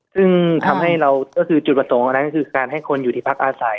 ซึ่งทำให้เราก็คือจุดประสงค์อันนั้นก็คือการให้คนอยู่ที่พักอาศัย